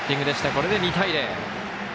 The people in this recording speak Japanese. これで２対０。